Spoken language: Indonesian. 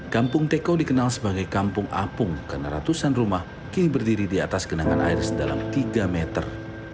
kampung teko dikenal sebagai kampung apung karena ratusan rumah kini berdiri di atas genangan air sedalam tiga meter